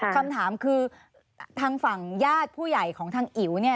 คำถามคือทางฝั่งญาติผู้ใหญ่ของทางอิ๋วเนี่ย